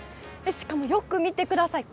しかもよく見てください。